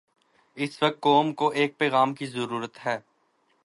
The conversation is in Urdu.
اس وقت قوم کو ایک پیغام کی ضرورت ہے۔